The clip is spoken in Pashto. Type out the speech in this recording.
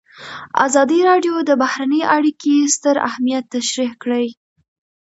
ازادي راډیو د بهرنۍ اړیکې ستر اهميت تشریح کړی.